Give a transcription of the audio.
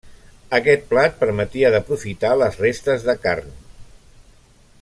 Aquest plat permetia d'aprofitar les restes de carn.